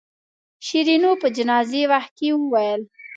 شیرینو په جنازې وخت کې وویل.